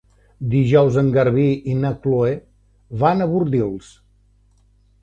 Dijous en Garbí i na Chloé van a Bordils.